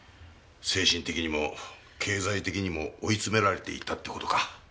精神的にも経済的にも追い詰められていたって事か。